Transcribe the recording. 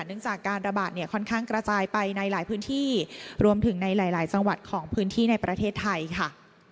เนื่องจากการระบาดเนี่ยค่อนข้างกระจายไปในหลายพื้นที่รวมถึงในหลายจังหวัดของพื้นที่ในประเทศไทยค่ะ